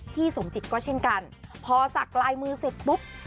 สมจิตก็เช่นกันพอสักลายมือเสร็จปุ๊บ